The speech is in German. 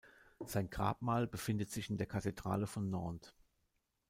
Sein Grabmal befindet sich in der Kathedrale von Nantes.